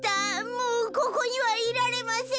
もうここにはいられません。